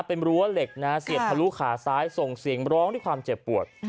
เป็นรั้วเหล็กนะเสียบทะลุขาซ้ายส่งเสียงร้องด้วยความเจ็บปวด